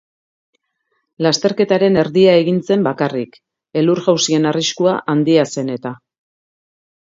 Lasterketaren erdia egin zen bakarrik, elur-jausien arriskuan handia zen eta.